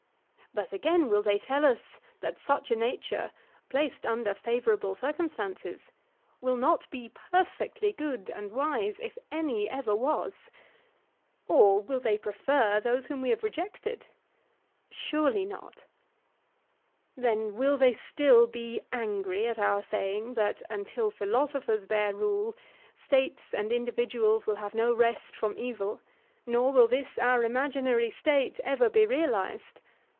But again, will they tell us that such a nature, placed under favourable circumstances, will not be perfectly good and wise if any ever was? Or will they prefer those whom we have rejected? Surely not. Then will they still be angry at our saying, that, until philosophers bear rule, States and individuals will have no rest from evil, nor will this our imaginary State ever be realized?